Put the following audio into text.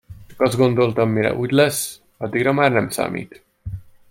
Csak azt gondoltam, mire úgy lesz, addigra már nem számít.